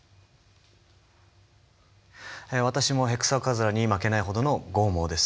私もヘクソカズラに負けないほどの剛毛です。